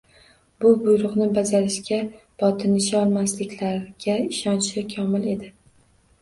Bu buyruqni bajarishga botinisholmasliklariga ishonchi komil edi